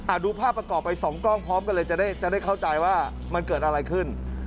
ดูภาพประกอบไปสองกล้องพร้อมกันเลยจะได้จะได้เข้าใจว่ามันเกิดอะไรขึ้น